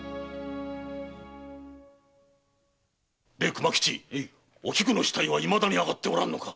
熊吉おきくの死体はいまだにあがっておらんのか？